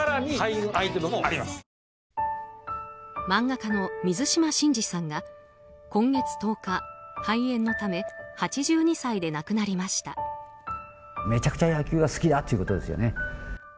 漫画家の水島新司さんが今月１０日肺炎のため８２歳で亡くなりました。